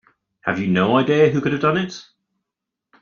Have you no idea who could have done it?